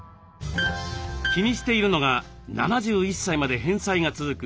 気にしているのが７１歳まで返済が続く